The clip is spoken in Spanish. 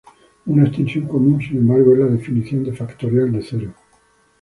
Una extensión común, sin embargo, es la definición de factorial de cero.